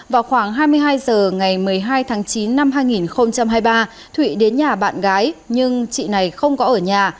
vào khoảng hai mươi hai h ngày một mươi hai tháng chín năm hai nghìn hai mươi ba thụy đến nhà bạn gái nhưng chị này không có ở nhà